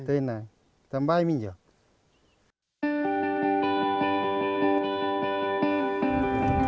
tidak di bawah ini juga